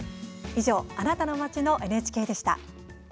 以上「あなたの街のＮＨＫ」でした。